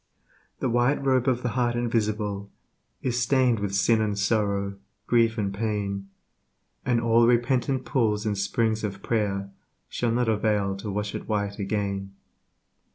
The White Robe of the Heart Invisible Is stained with sin and sorrow, grief and pain, And all repentant pools and springs of prayer Shall not avail to wash it white again.